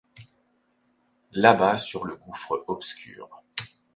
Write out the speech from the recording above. Là-bas, sur le gouffre obscur